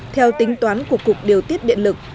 theo tính toán của cục điều tiết điện lực